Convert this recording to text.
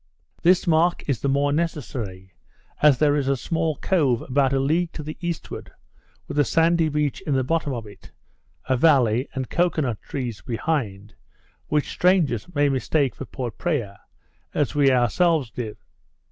This mark is the more necessary, as there is a small cove about a league to the eastward, with a sandy beach in the bottom of it, a valley, and cocoa nut trees behind, which strangers may mistake for Port Praya, as we ourselves did.